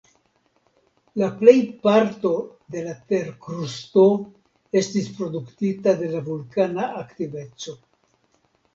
La plej parto de la terkrusto estis produktita de la vulkana aktiveco.